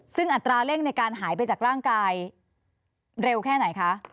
ซึ่งอัตราเร่งในการหายไปจากร่างกายเร็วแค่ไหนคะ